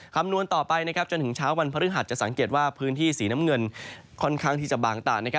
คำนวณต่อไปจนถึงเช้าวันพฤหัสจะสังเกตว่าพื้นที่สีน้ำเงินค่อนข้างที่จะบางตา